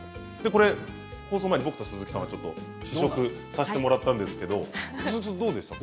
これ放送前に僕と鈴木さんはちょっと試食させてもらったんですけど鈴木さんどうでした？